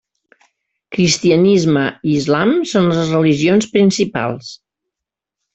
Cristianisme i Islam són les religions principals.